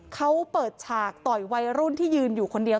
เขาเปิดฉากต่อยวัยรุ่นที่ยืนอยู่คนเดียว